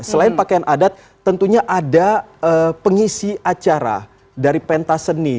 selain pakaian adat tentunya ada pengisi acara dari pentas seni